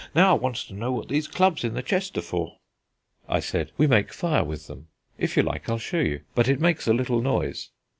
Now I want to know what these clubs in the chest are." I said, "We make fire with them; if you like I'll show you but it makes a little noise."